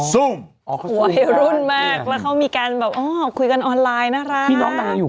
วัยรุ่นมากแล้วเขามีการแบบอ๋อคุยกันออนไลน์น่ารัก